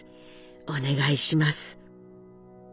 お願いします」。